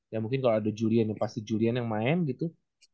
ya mungkin kalau ada julian pasti julian yang main gitu